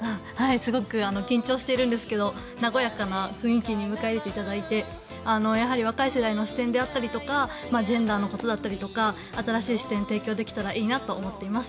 すごく緊張しているんですけど和やかな雰囲気で迎え入れていただいて若い世代の視点であったりとかジェンダーのことだったりとか新しい視点を提供できたらいいなと思っています。